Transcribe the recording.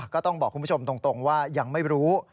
ก็ต้องบอกคุณผู้ชมตรงว่ายังไม่รู้